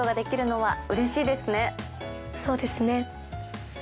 そうですね。